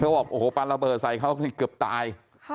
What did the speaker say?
บอกโอ้โหปลาระเบิดใส่เขาเกือบตาย